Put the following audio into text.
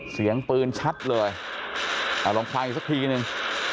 เสียงปืนชัดเลยเอาลองฟังอีกสักทีนึง